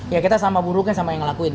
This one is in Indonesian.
ya kita sama buruknya sama yang ngelakuin